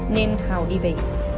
nên hào đi về